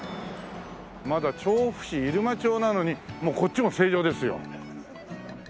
まだ調布市入間町なのにもうこっちも「成城」ですよ。